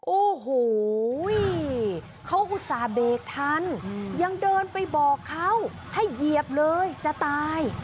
โอ้โหเขาอุตส่าห์เบรกทันยังเดินไปบอกเขาให้เหยียบเลยจะตาย